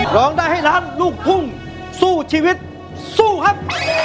ร้องได้ให้ล้านลูกทุ่งสู้ชีวิตสู้ครับ